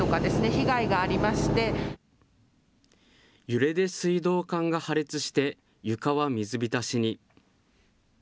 揺れで水道管が破裂して、床は水浸しに。